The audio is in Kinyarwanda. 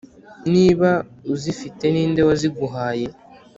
niba uzifite ninde waziguhaye?